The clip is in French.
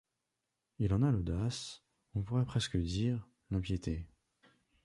Il en a l’audace ; on pourrait presque dire, l’impiété.